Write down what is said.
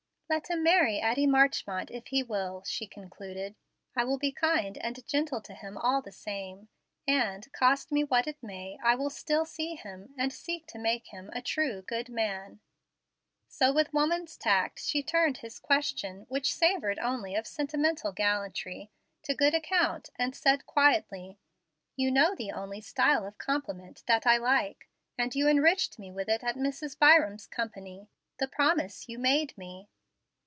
"Let him marry Addie Marchmont if he will," she concluded. "I will be kind and gentle to him all the same, and, cost me what it may, I will still see him, and seek to make him a true, good man." So with woman's tact she turned his question, which savored only of sentimental gallantry, to good account, and said quietly, "You know the only 'style of compliment' that I like, and you enriched me with it at Mrs. Byram's company, the promise you made me."